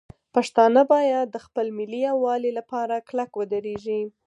پښتانه باید د خپل ملي یووالي لپاره کلک ودرېږي.